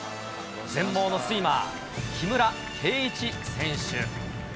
全盲のスイマー、木村敬一選手。